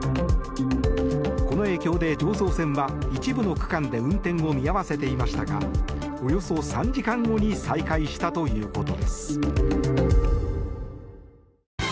この影響で常総線は一部の区間で運転を見合わせていましたがおよそ３時間後に再開したということです。